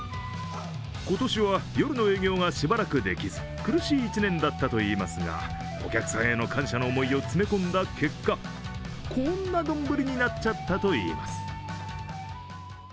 今年は夜の営業がしばらくできず、苦しい１年だったといいますがお客さんへの感謝の思いを詰め込んだ結果、こんな丼になっちゃったといいます。